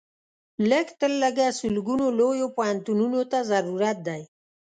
لږ تر لږه سلګونو لویو پوهنتونونو ته ضرورت دی.